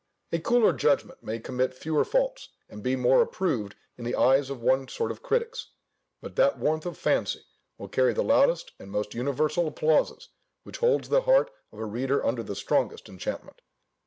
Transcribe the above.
A cooler judgment may commit fewer faults, and be more approved in the eyes of one sort of critics: but that warmth of fancy will carry the loudest and most universal applauses which holds the heart of a reader under the strongest enchantment.